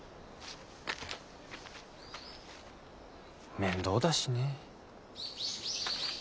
面倒だしね。